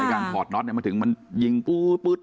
การถอดน็อตมาถึงมันยิงปู๊ด